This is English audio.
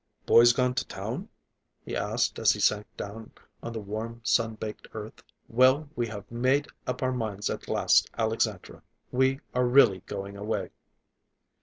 "Boys gone to town?" he asked as he sank down on the warm, sun baked earth. "Well, we have made up our minds at last, Alexandra. We are really going away."